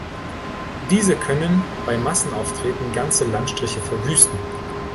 Diese können bei Massenauftreten ganze Landstriche verwüsten.